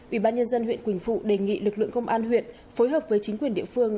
ủy ban nhân dân huyện quỳnh phụ đề nghị lực lượng công an huyện phối hợp với chính quyền địa phương